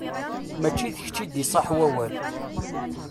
Mačči d kečč i d-iṣaḥ wawal.